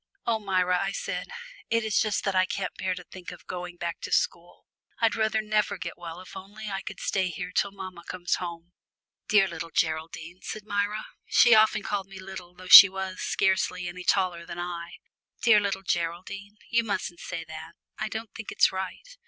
"Oh, Myra," I said, "it is just that I can't bear to think of going back to school. I'd rather never get well if only I could stay here till mamma comes home." "Dear little Geraldine," said Myra she often called me "little" though she was scarcely any taller than I "dear little Geraldine, you mustn't say that. I don't think it's right.